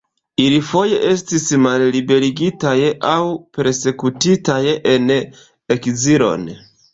Ili foje estis malliberigitaj aŭ persekutitaj en ekzilon.